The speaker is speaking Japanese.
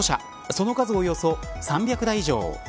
その数およそ３００台以上。